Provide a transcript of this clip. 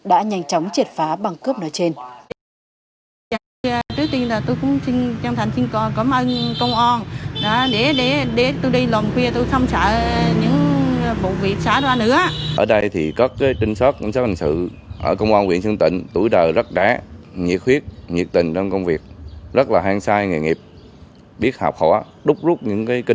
đã nhanh chóng triệt phá băng cướp nói trên